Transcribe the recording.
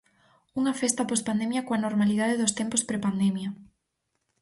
Unha festa pospandemia coa normalidade dos tempos prepandemia.